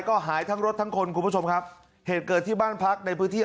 ก็หายทั้งรถทั้งคนคุณผู้ชมครับเหตุเกิดที่บ้านพักในพื้นที่